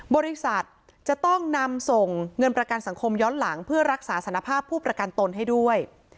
บริษัทจะต้องนำส่งเงินประกันสังคมย้อนหลังเพื่อรักษาสารภาพผู้ประกันตนให้ด้วย